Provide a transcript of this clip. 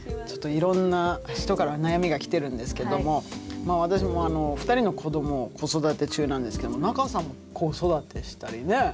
ちょっといろんな人から悩みが来てるんですけども私も２人の子どもを子育て中なんですけども仲さんも子育てしたりね。